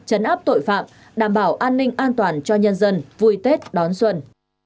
chấn áp tội phạm đảm bảo an ninh an toàn cho nhân dân vui tết đón xuân